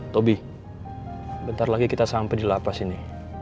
tobi bentar lagi kita sampai di lapas ini